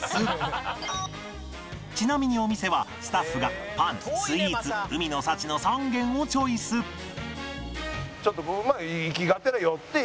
ちなみにお店はスタッフがパンスイーツ海の幸の３軒をチョイス行きがてら寄って。